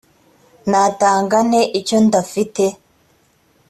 natanga nte icyo ndafite